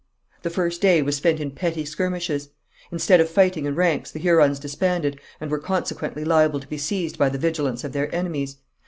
The first day was spent in petty skirmishes. Instead of fighting in ranks, the Hurons disbanded, and were consequently liable to be seized by the vigilance of their enemies.